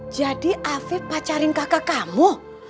jadi afif pacarin kakak kamu